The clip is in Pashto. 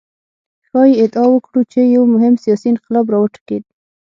ښايي ادعا وکړو چې یو مهم سیاسي انقلاب راوټوکېد.